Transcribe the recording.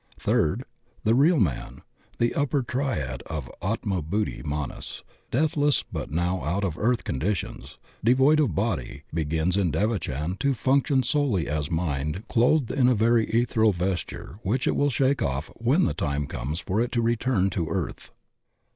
Third, the real man, the upper triad of Atma Bud dhi'Manas, deathless but now out of earth conditions, devoid of body, begins in devachan to function solely as mind clothed in a very ethereal vesture which it will shake off when the time comes for it to return to earth.